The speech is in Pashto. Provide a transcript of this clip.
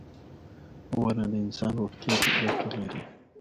• ونه د انسان روغتیا ته ګټه لري.